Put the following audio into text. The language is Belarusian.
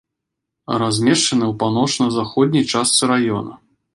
Размешчаны ў паўночна-заходняй частцы раёна.